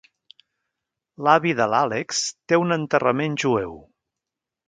L'avi de l'Alex té un enterrament jueu.